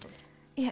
いえ。